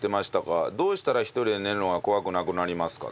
どうしたら一人で寝るのが怖くなくなりますか？